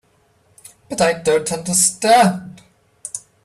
But I don't understand.